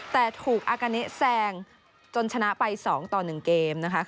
แต่ถูกอากาเนะแซงจนชนะไปสองต่อหนึ่งเกมนะคะ